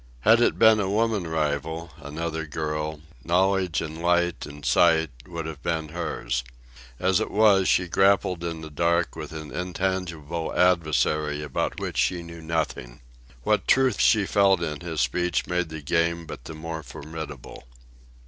Had it been a woman rival, another girl, knowledge and light and sight would have been hers. As it was, she grappled in the dark with an intangible adversary about which she knew nothing. What truth she felt in his speech made the Game but the more formidable.